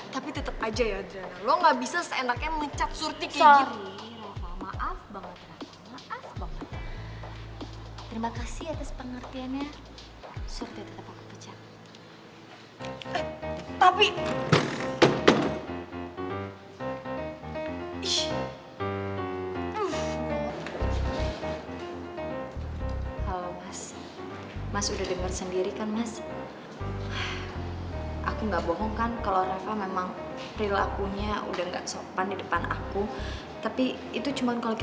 tapi tetep aja ya adriana lo gak bisa seenaknya mencat surti kayak gini